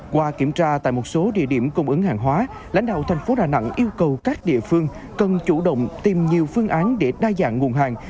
qua kiểm tra tại một số địa điểm cung ứng hàng hóa lãnh đạo thành phố đà nẵng yêu cầu các địa phương cần chủ động tìm nhiều phương án để đa dạng nguồn hàng